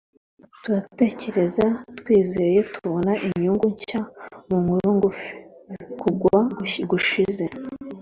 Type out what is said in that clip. turatekereza-twizeye! -tubona inyungu nshya mu nkuru ngufi. kugwa gushize,